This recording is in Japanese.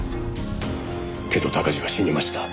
「けど鷹児は死にました